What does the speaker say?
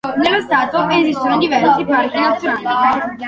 Nello stato esistono diversi parchi nazionali.